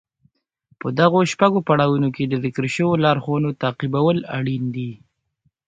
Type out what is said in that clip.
په دغو شپږو پړاوونو کې د ذکر شويو لارښوونو تعقيبول اړين دي.